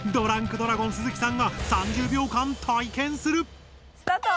ドラゴン鈴木さんが３０秒間体験する！スタート！